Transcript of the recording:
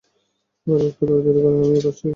কাগজপত্র তৈরি করেন, আমিও কাজ শেষ করি।